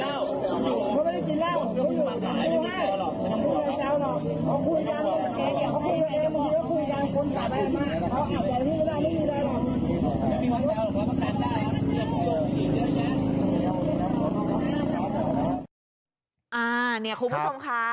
อ่าเนี่ยคุณผู้ชมครับ